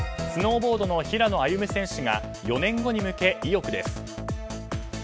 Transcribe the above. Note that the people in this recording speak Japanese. スノーボードの平野歩夢選手が４年後に向け意欲です。